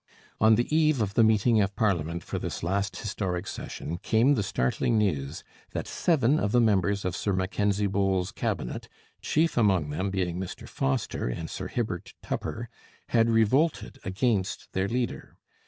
On the eve of the meeting of parliament for this last historic session came the startling news that seven of the members of Sir Mackenzie Bowell's Cabinet, chief among them being Mr Foster and Sir Hibbert Tupper, had revolted against their leader.